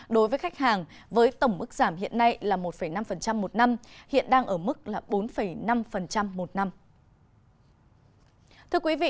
đối với khách hàng với tổng mức giảm hiện nay là một năm một năm hiện đang ở mức bốn năm một năm